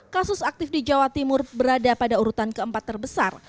kasus aktif di jawa timur berada pada urutan keempat terbesar